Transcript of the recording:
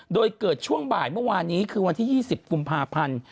โดยเกิดช่วงบ่ายเมื่อวานนี้คือวันที่๒๐กุมภาพันธ์